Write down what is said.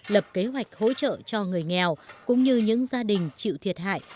lập kế hoạch hỗ trợ cho người nghèo cũng như những gia đình chịu thiệt hại